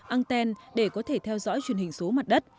engten để có thể theo dõi truyền hình số mặt đất